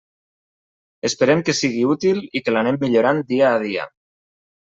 Esperem que sigui útil i que l'anem millorant dia a dia.